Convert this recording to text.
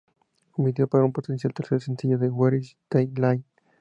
Un video para un potencial tercer sencillo, "Where is the Line?